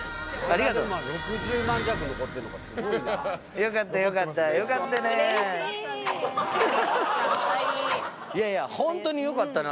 ありがとう。よかったよかった。